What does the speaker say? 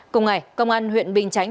cùng ngày công an huyện bình chánh